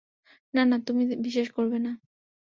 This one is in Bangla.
নানা, তুমি বিশ্বাস করবে না।